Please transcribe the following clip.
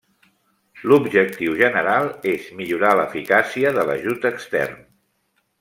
L'objectiu general és millor l'eficàcia de l'ajut extern.